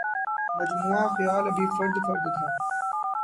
مجموعہ خیال ابھی فرد فرد تھا